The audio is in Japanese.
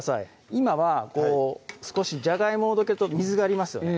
今はこう少しじゃがいもをどけると水がありますよね